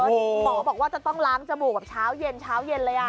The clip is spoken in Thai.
หมอบอกว่าจะต้องล้างจมูกแบบเช้าเย็นเลย